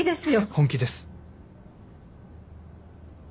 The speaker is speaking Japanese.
本気です。